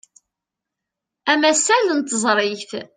Amasal n teẓrigt.